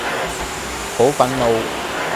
好憤怒